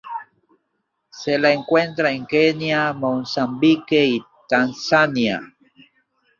Se la encuentra en Kenia, Mozambique, y Tanzania.